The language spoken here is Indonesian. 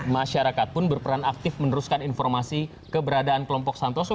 masyarakat pun berperan aktif meneruskan informasi keberadaan kelompok santoso